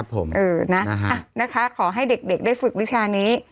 เออนะนะคะขอให้เด็กได้ฝึกวิชานี้